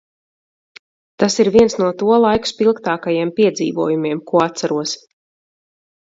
Tas ir viens no to laiku spilgtākajiem piedzīvojumiem, ko atceros.